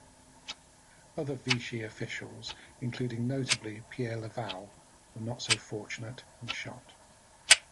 Other Vichy officials, including notably Pierre Laval, were not so fortunate and shot.